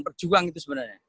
perjuang itu sebenarnya